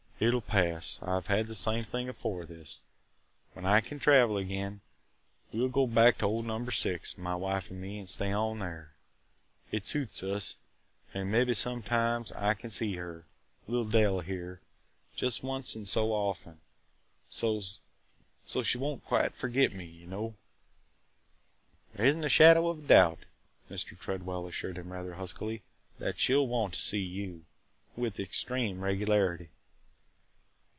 It 'll pass. I 've had the same thing afore this. When I kin travel again, we 'll go back to old Number Six, my wife and me, an' stay on there. It suits us – an' mebbe – sometimes, I kin see her – little Dell here – jest once in so often, so 's – so 's she won't quite fergit me, y' know!" "There is n't a shadow of doubt," Mr. Tredwell assured him rather huskily, "that she 'll want to see you – with extreme regularity!"